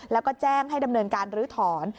แล้วก็แจ้งให้ดำเนินการลื้อถอน